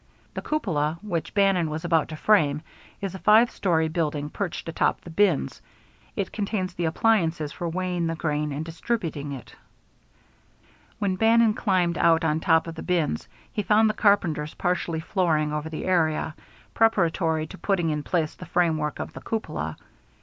The cupola, which Bannon was about to frame, is a five story building perched atop the bins. It contains the appliances for weighing the grain and distributing it. When Bannon climbed out on top of the bins, he found the carpenters partially flooring over the area, preparatory to putting in place the framework of the cupola.